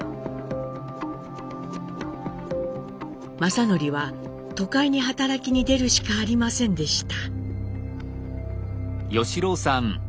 正徳は都会に働きに出るしかありませんでした。